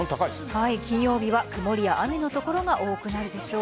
金曜日は曇りや雨の所が多くなるでしょう。